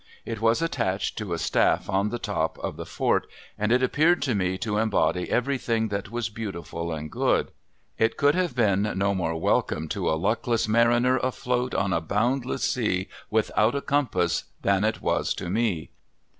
It was attached to a staff on the top of the fort, and it appeared to me to embody everything that was beautiful and good. It could have been no more welcome to a luckless mariner afloat on a boundless sea without a compass than it was to me.